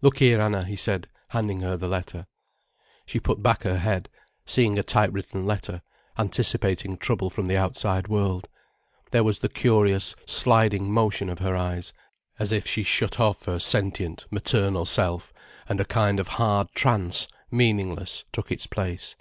"Look here, Anna," he said, handing her the letter. She put back her head, seeing a typewritten letter, anticipating trouble from the outside world. There was the curious, sliding motion of her eyes, as if she shut off her sentient, maternal self, and a kind of hard trance, meaningless, took its place.